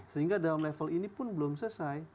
sehingga dalam level ini pun belum selesai